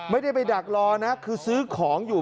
ไม่ได้ไปดักรอนะคือซื้อของอยู่